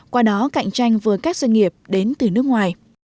qua đó cạnh tranh với các doanh nghiệp đến từ nước ngoài